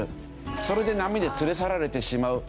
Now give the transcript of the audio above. それで波に連れ去られてしまうという。